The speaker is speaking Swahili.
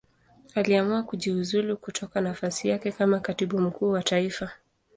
Aliamua kujiuzulu kutoka nafasi yake kama Katibu Mkuu wa Taifa.